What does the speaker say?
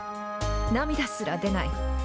涙すら出ない。